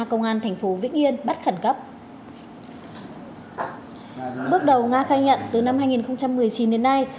công an thành phố vĩnh yên bắt khẩn cấp bước đầu nga khai nhận từ năm hai nghìn một mươi chín đến nay